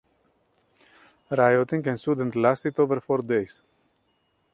Rioting ensued and lasted over four days.